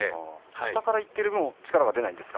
下からいってる分だけ力が出ないんですか？